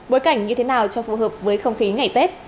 bối cảnh như thế nào cho phù hợp với không khí ngày tết